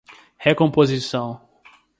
recomposição